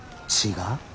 違う？